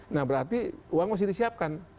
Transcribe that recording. nah berarti uang mesti disiapkan